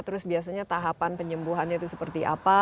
terus biasanya tahapan penyembuhannya itu seperti apa